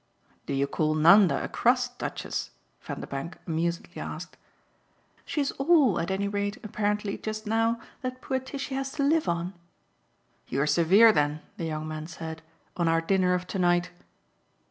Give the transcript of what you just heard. "Do you call Nanda a crust, Duchess?" Vanderbank amusedly asked. "She's all at any rate, apparently, just now, that poor Tishy has to live on." "You're severe then," the young man said, "on our dinner of to night."